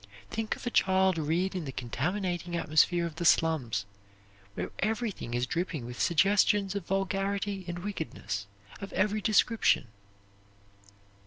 Think of a child reared in the contaminating atmosphere of the slums, where everything is dripping with suggestions of vulgarity and wickedness of every description!